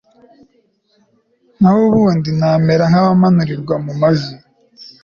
naho ubundi namera nk'abamanurirwa mu mva